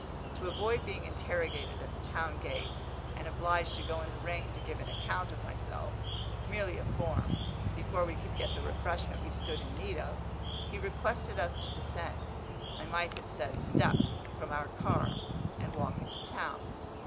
To avoid being interrogated at the town gate, and obliged to go in the rain to give an account of myself (merely a form) before we could get the refreshment we stood in need of, he requested us to descend I might have said step from our car, and walk into town.